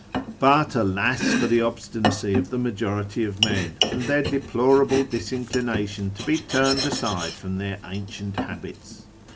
But alas for the obstinacy of the majority of men, and their deplorable disinclination to be turned aside from their ancient habits